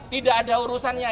tidak ada urusannya